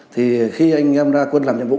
thì khi anh em ra quân làm nhiệm vụ